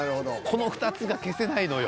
この２つが消せないのよ。